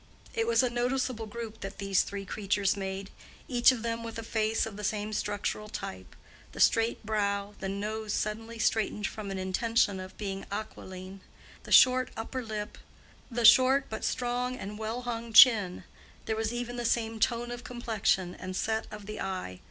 It was a noticeable group that these three creatures made, each of them with a face of the same structural type—the straight brow, the nose suddenly straightened from an intention of being aquiline, the short upper lip, the short but strong and well hung chin: there was even the same tone of complexion and set of the eye.